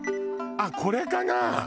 あっこれかな？